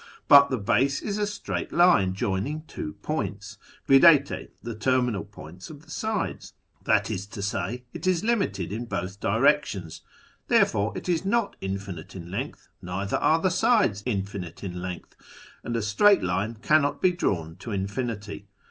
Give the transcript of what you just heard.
But the base is a straight line joining two points (viz. the terminal points of the sides) ; that is to say, it is limited in both directions. Therefore it is not infinite in length, neither are the sides infinite in length, and a straight line cannot be drawn to infinity.